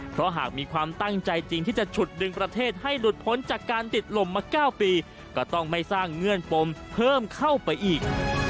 เพราะหากมีความตั้งใจจริงที่จะฉุดดึงประเทศให้หลุดพ้นจากการติดลมมา๙ปีก็ต้องไม่สร้างเงื่อนปมเพิ่มเข้าไปอีก